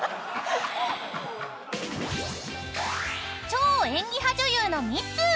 ［超演技派女優のミッツー］